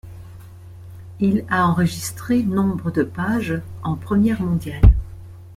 Il a enregistré nombre de pages en première mondiale.